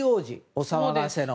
お騒がせの。